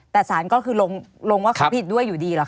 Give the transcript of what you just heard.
แต่สารก็คือลงว่าเขาผิดด้วยอยู่ดีเหรอค